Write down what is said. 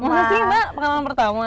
nggak sih mbak pengalaman pertama